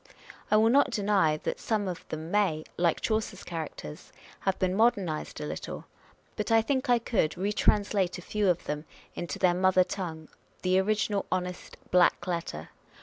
I will not deny that some of them may, like Chaucer's characters, have been modernised a little ; but I think I could retranslate a few of them into their mother tongue, the original honest black letter.